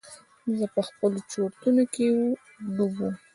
زه په خپلو چورتونو کښې ډوب وم.